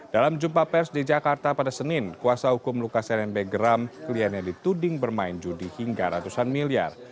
dalam jumpa pers di jakarta pada senin kuasa hukum lukas nmb geram kliennya dituding bermain judi hingga ratusan miliar